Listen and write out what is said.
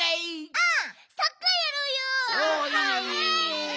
うん！